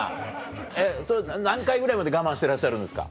えっそれ何回ぐらいまで我慢してらっしゃるんですか？